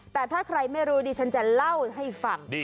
แต่ถ้าใครไม่รู้ดิฉันจะเล่าให้ฟัง